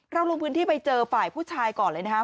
เราลงพื้นที่ที่ไปเจอปวงษ์ภายผู้ชายก่อนเลยนะครับ